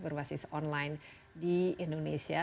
berbasis online di indonesia